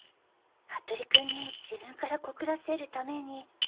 服部君に自分から告らせるために